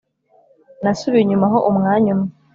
Nasubiye inyuma ho umwanya umwe